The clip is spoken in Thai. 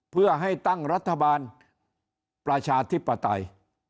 เพื่อให้ตั้งรัฐบาลประชาธิปไตย